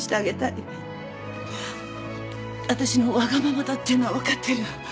私のわがままだっていうのは分かってる。